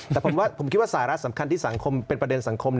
แต่ผมคิดว่าสาระสำคัญที่สังคมเป็นประเด็นสังคม